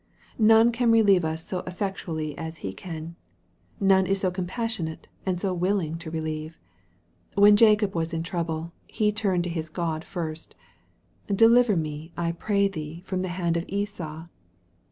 None can relieve us so effectually as He can. None is so com passionate, and so willing to relieve. When Jacob was in trouble he turned to his God first :" Deliver me, I pray thee, from the hand of Esau."